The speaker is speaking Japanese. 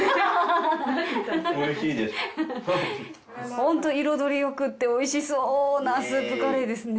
ホント彩りよくって美味しそうなスープカレーですね。